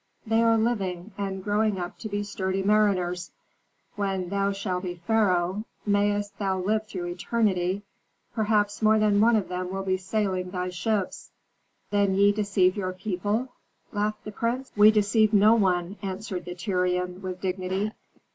"They are living, and growing up to be sturdy mariners. When thou shall be pharaoh, mayst thou live through eternity! perhaps more than one of them will be sailing thy ships." "Then ye deceive your people?" laughed the prince. "We deceive no one," answered the Tyrian, with dignity.